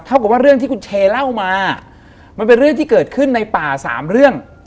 กับว่าเรื่องที่คุณเชเล่ามามันเป็นเรื่องที่เกิดขึ้นในป่าสามเรื่อง